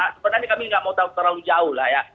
sebenarnya kami tidak mau tahu terlalu jauh lah ya